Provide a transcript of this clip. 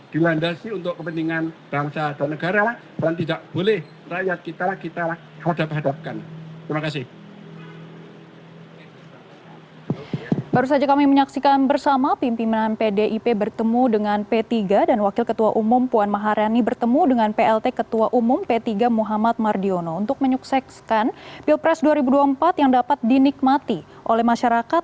dilandasi untuk kepentingan bangsa dan negara